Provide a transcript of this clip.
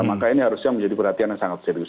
maka ini harusnya menjadi perhatian yang sangat serius